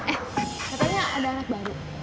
eh katanya ada anak baru